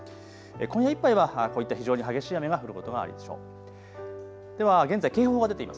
今夜いっぱいは非常に激しい雨が降ることがあるでしょう。